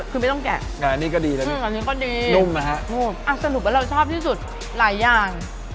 คือไม่ต้องแกะนุ่มนะฮะนี่ก็ดีแล้วนี่สนุกว่าเราชอบที่สุดหลายอย่าง